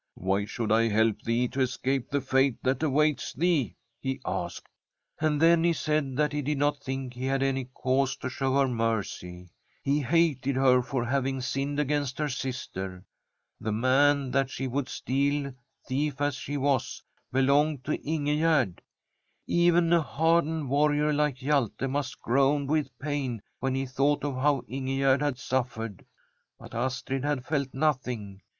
* Why should I help thee to escape the fate that awaits thee ?' he asked. And then he said that he did not think he had any cause to show her mercy. He hated her for having sinned against her sister. The man that she would steal, thief as she was, belonged to Ingegerd. Even a hardened warrior like Hjalte must g^oan with pain when he thought of how Ingegerd had suffered. But Astrid had felt nothing.